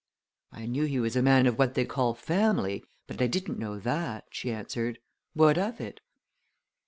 "I knew he was a man of what they call family, but I didn't know that," she answered. "What of it?"